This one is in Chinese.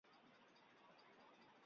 范希朝人。